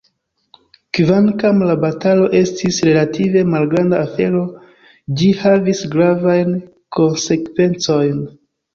Kvankam la batalo estis relative malgranda afero, ĝi havis gravajn konsekvencojn.